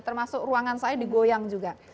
termasuk ruangan saya digoyang juga